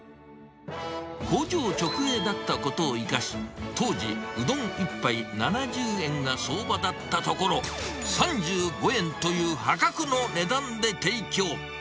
工場直営だったことを生かし、当時うどん１杯７０円が相場だったところ、３５円という破格の値段で提供。